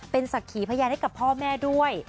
เป็นศักดิ์ขีพยานให้กับพ่อแม่ด้วย